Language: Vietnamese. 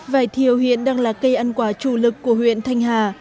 vải thiều hiện đang là cây ăn quả chủ lực của huyện thanh hà